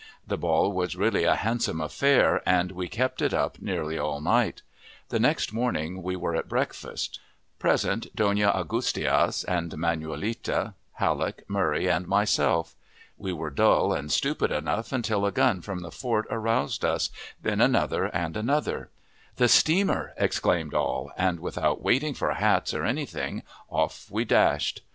The ball was really a handsome affair, and we kept it up nearly all night. The next morning we were at breakfast: present, Dona Augustias, and Manuelita, Halleck, Murray, and myself. We were dull and stupid enough until a gun from the fort aroused us, then another and another. "The steamer" exclaimed all, and, without waiting for hats or any thing, off we dashed.